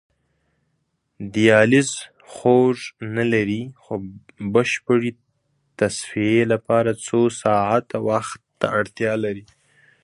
دیالیز خوږ نه لري خو بشپړې تصفیې لپاره څو ساعته وخت ته اړتیا لري.